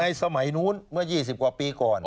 สมัยนู้นเมื่อ๒๐กว่าปีก่อน